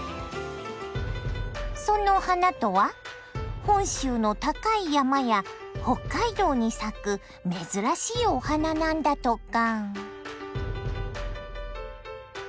その花とは本州の高い山や北海道に咲く珍しいお花なんだとか。